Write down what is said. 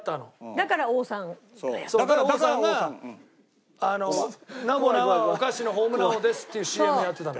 だから王さんが「ナボナはお菓子のホームラン王です」っていうＣＭやってたの。